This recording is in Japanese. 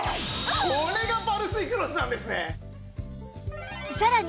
これがパルスイクロスなんですね。